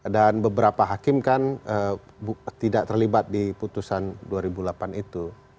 dan beberapa hakim kan tidak terlibat di putusan dua ribu delapan itu